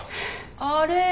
あれ？